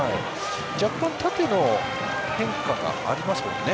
若干縦の変化がありますかね。